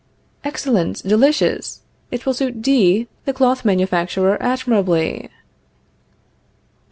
Excellent, delicious! It will suit D , the cloth manufacturer, admirably.